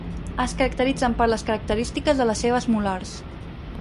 Es caracteritzen per les característiques de les seves molars.